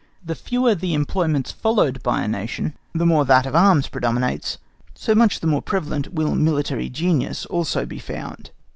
The fewer the employments followed by a Nation, the more that of arms predominates, so much the more prevalent will military genius also be found.